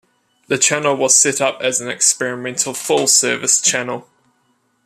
The channel was set up as an experimental full service channel.